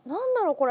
これ。